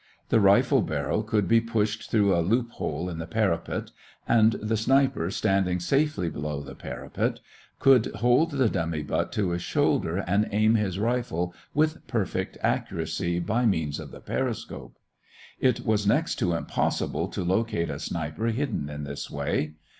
The rifle barrel could be pushed through a loophole in the parapet and the sniper standing safely below the parapet could hold the dummy butt to his shoulder and aim his rifle with perfect accuracy by means of the periscope. It was next to impossible to locate a sniper hidden in this way.